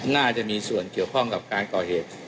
น่าจะมีส่วนเกี่ยวข้องกับการก่อเหตุ